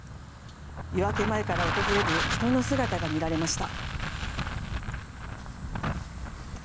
夜明け前から訪れる人の姿が見られました。